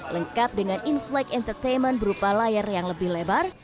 lengkap dengan inflake entertainment berupa layar yang lebih lebar